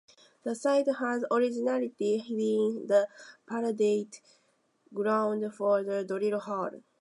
The site had originally been the parade ground for the Drill Hall.